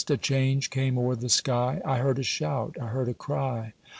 A change came o'er the sky. I heard a shout—I heard a cry.